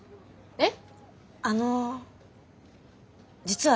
えっ？